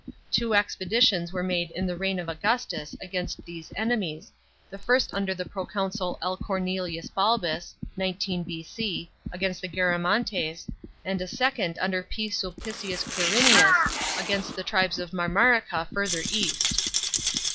Two expeditions J were made in the reign of Augustus against these enemies, the first under the proconsul L. Cornelius Balbus (19 B.C.), against the Garamantes, and a second under P. Sulpicius Quiriiiiutf, against the tribes of Marmarica further east.